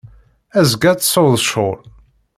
Azekka ad tesɛuḍ ccɣel.